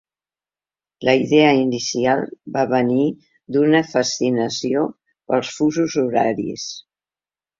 La idea inicial va venir d'una fascinació pels fusos horaris.